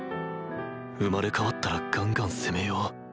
生まれ変わったらガンガン攻めよう。